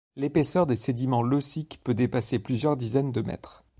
L'épaisseur des sédiments lœssiques peut dépasser plusieurs dizaines de mètres.